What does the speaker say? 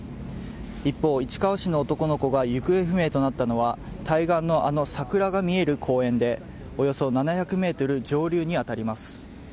一方、市川市の男の子が行方不明となったのは対岸のあの桜が見える公園でおよそ７００ｍ上流に当たります。